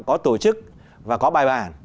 có tổ chức và có bài bản